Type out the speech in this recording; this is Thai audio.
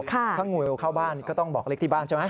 ถ้างูเข้าบ้านก็ต้องบอกเล็กที่บ้านใช่ไหม